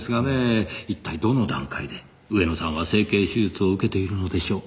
一体どの段階で上野さんは整形手術を受けているのでしょう？